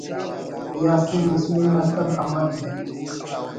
یاسین بسمل نا تب امر ءِ ……